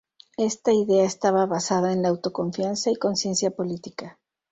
Esta idea estaba basada en la auto-confianza y conciencia política.